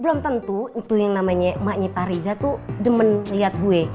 belum tentu itu yang namanya maknya pariza tuh demen lihat gue